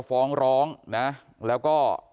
ฟ้องร้องนะแล้วก็